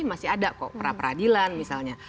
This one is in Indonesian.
masih ada kok peradilan misalnya